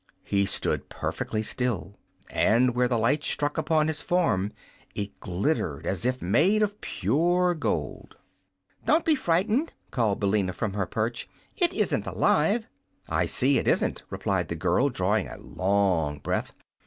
He stood perfectly still, and where the light struck upon his form it glittered as if made of pure gold. "Don't be frightened," called Billina, from her perch. "It isn't alive." "I see it isn't," replied the girl, drawing a long breath.